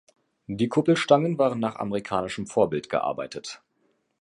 Die Kuppelstangen waren nach amerikanischen Vorbild gearbeitet.